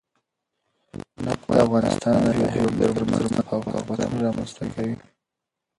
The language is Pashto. نفت د افغانستان د ناحیو ترمنځ تفاوتونه رامنځ ته کوي.